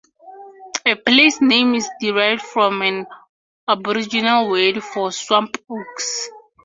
The place name is derived from an Aboriginal word for "swamp oaks".